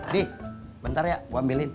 nih bentar ya gue ambilin